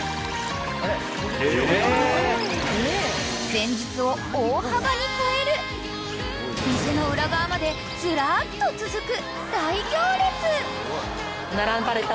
［前日を大幅に超える店の裏側までずらっと続く］